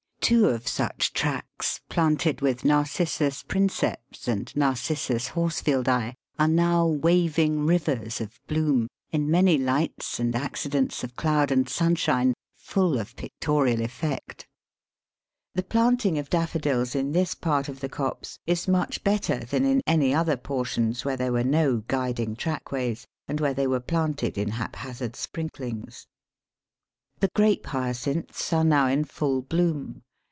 Two of such tracks, planted with Narcissus princeps and N. Horsfieldi, are now waving rivers of bloom, in many lights and accidents of cloud and sunshine full of pictorial effect. The planting of Daffodils in this part of the copse is much better than in any other portions where there were no guiding track ways, and where they were planted in haphazard sprinklings. [Illustration: DAFFODILS IN THE COPSE.] The Grape Hyacinths are now in full bloom.